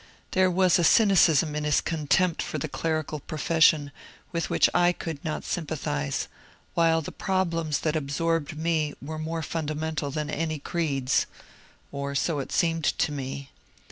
There was a cynicism in his contempt for the clerical profession with which I could not sympathize, while the problems that absorbed me were more fundamental than any creeds. Or so it seemed to me.